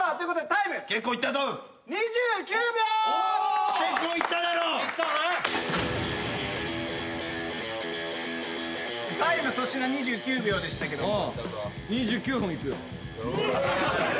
タイム粗品２９秒でしたけども。